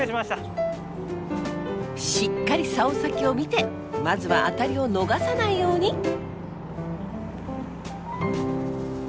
しっかりサオ先を見てまずはアタリを逃さないように。